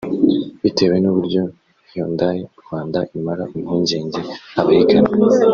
Bitewe n’uburyo Hyundai Rwanda imara impungenge abayigana